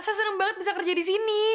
saya senang banget bisa kerja di sini